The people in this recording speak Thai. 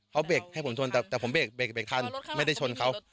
เขาเบรกให้ผมชนแต่ผมเบรกเบรกทันไม่ได้ชนเขา